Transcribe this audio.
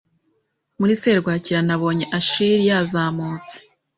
Muri serwakira nabonye Achille yazamutse